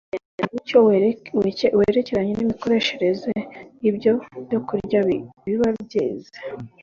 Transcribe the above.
bazagenda bahabwa umucyo werekeranye n'imikoreshereze y'ibyo byokurya biba byeze